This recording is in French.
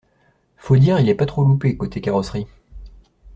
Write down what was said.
Faut dire, il est pas trop loupé, côté carrosserie.